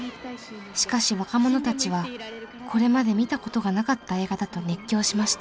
しかし若者たちはこれまで見た事がなかった映画だと熱狂しました。